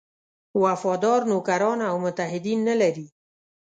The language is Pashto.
وفادار نوکران او متحدین نه لري.